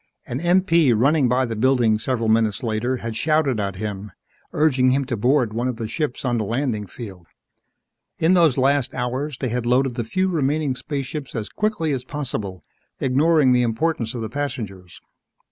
An MP running by the building several minutes later had shouted at him, urging him to board one of the ships on the landing field. In those last hours, they had loaded the few remaining spaceships as quickly as possible, ignoring the importance of the passengers.